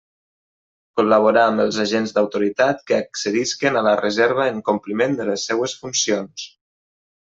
Col·laborar amb els agents d'autoritat que accedisquen a la Reserva en compliment de les seues funcions.